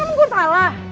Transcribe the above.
emang gua salah